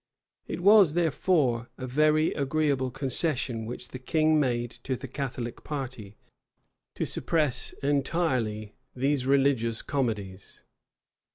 It was, therefore, a very agreeable concession which the king made to the Catholic party, to suppress entirely these religious comedies.